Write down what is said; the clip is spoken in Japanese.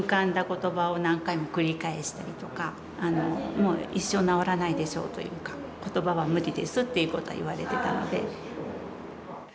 もう一生治らないでしょうというか言葉は無理ですっていうことは言われてたので。